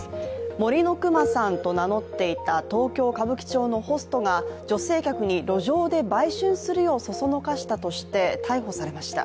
森のくまさんと名乗っていた東京・歌舞伎町のホストが女性客に路上で売春するようそそのかしたとして、逮捕されました。